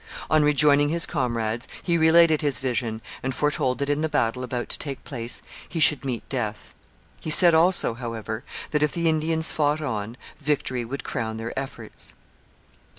On rejoining his comrades he related his vision and foretold that in the battle about to take place he should meet death. He said also, however, that, if the Indians fought on, victory would crown their efforts.